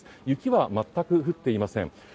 雪は全く降っていません。